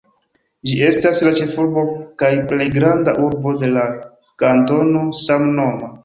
Ĝi estas la ĉefurbo kaj plej granda urbo de la kantono samnoma.